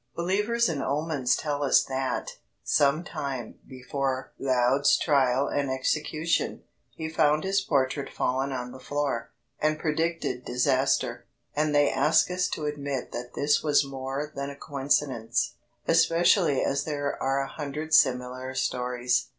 Believers in omens tell us that, some time before Laud's trial and execution, he found his portrait fallen on to the floor, and predicted disaster; and they ask us to admit that this was more than a coincidence, especially as there are a hundred similar stories.